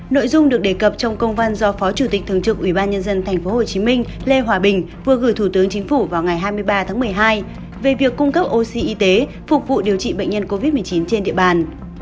nội dung được đề cập trong công văn do phó chủ tịch thường trực ủy ban nhân dân tp hcm lê hòa bình vừa gửi thủ tướng chính phủ vào ngày hai mươi ba tháng một mươi hai về việc cung cấp oxy y tế phục vụ điều trị bệnh nhân covid một mươi chín trên địa bàn